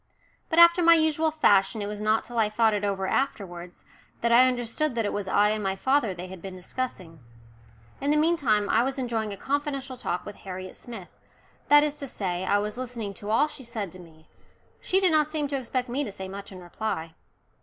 But after my usual fashion it was not till I thought it over afterwards that I understood that it was I and my father they had been discussing. In the meantime I was enjoying a confidential talk with Harriet Smith that is to say, I was listening to all she said to me; she did not seem to expect me to say much in reply.